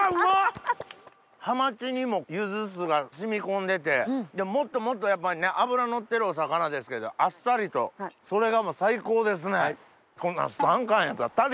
ハマチにもゆず酢が染み込んでてもっともっとやっぱり脂のってるお魚ですけどあっさりとそれがもう最高ですね！